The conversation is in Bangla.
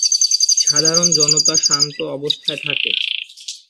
সাধারণ জনতা শান্ত অবস্থায় থাকে।